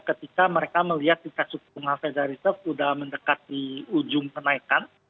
ketika mereka melihat tingkat suku bunga federal reserve sudah mendekati ujung kenaikan